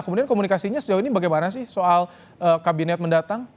kemudian komunikasinya sejauh ini bagaimana sih soal kabinet mendatang